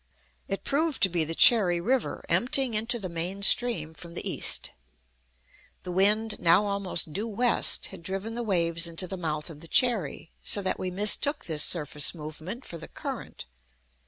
It proved to be the Cherry River, emptying into the main stream from the east. The wind, now almost due west, had driven the waves into the mouth of the Cherry, so that we mistook this surface movement for the current.